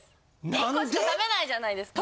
１個しか食べないじゃないですか。